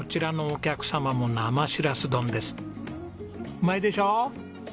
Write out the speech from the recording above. うまいでしょ？